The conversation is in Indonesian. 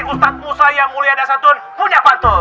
ustadz musa yang mulia dasar punya patut